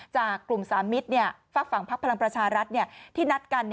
จากกลุ่ม๓มิตรฝั่งภักดิ์พลังประชารัฐที่นัดกัน